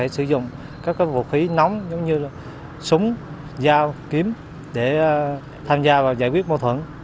sử dụng các vũ khí nóng giống như súng dao kiếm để tham gia vào giải quyết mâu thuẫn